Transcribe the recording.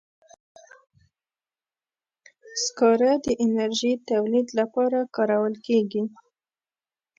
سکاره د انرژي تولید لپاره کارول کېږي.